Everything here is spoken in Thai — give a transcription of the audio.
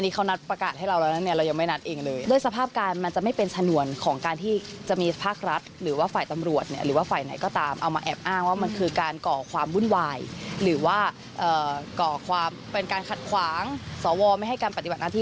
ก่อความเป็นการขัดขวางสวไม่ให้การปฏิบัติหน้าที่